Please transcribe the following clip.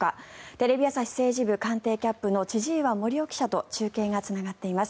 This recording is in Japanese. テレビ朝日政治部官邸キャップの千々岩森生記者と中継がつながっています。